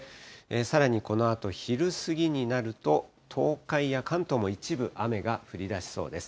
さらにこのあと昼過ぎになると、東海や関東も一部、雨が降りだしそうです。